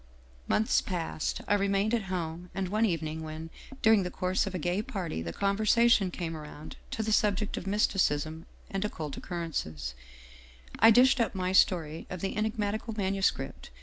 " Months passed. I remained at home, and one evening when, during the course of a gay party, the conversation came around to the subject of mysticism and occult occur rences, I dished up my story of the enigmatical manuscript.